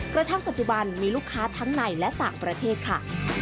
กระทั่งปัจจุบันมีลูกค้าทั้งในและต่างประเทศค่ะ